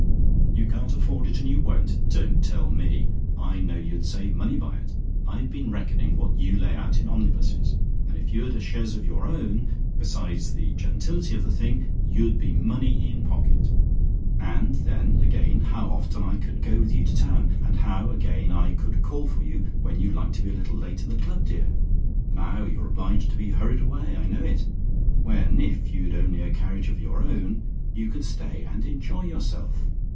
"YOU CAN'T AFFORD IT, AND YOU WON'T? "Don't tell me: I know you'd save money by it. I've been reckoning what you lay out in omnibuses; and if you'd a chaise of your own besides the gentility of the thing you'd be money in pocket. And then, again, how often I could go with you to town, and how, again, I could call for you when you liked to be a little late at the club, dear! Now you're obliged to be hurried away, I know it, when, if you'd only a carriage of your own, you could stay and enjoy yourself.